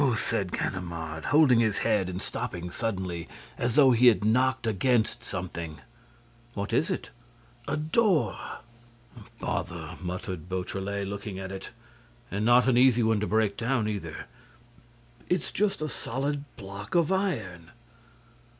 said Ganimard, holding his head and stopping suddenly, as though he had knocked against something. "What is it?" "A door." "Bother!" muttered Beautrelet, looking at it. "And not an easy one to break down either. It's just a solid block of iron."